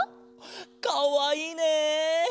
かわいいね！